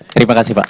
terima kasih pak